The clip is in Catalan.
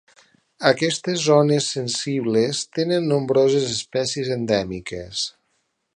Aquestes zones sensibles tenen nombroses espècies endèmiques.